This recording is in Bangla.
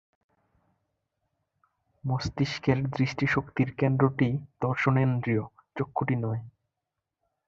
মস্তিষ্কের দৃষ্টিশক্তির কেন্দ্রটিই দর্শনেন্দ্রিয়, চক্ষুটি নয়।